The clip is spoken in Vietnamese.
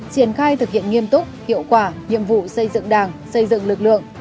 triển khai thực hiện nghiêm túc hiệu quả nhiệm vụ xây dựng đảng xây dựng lực lượng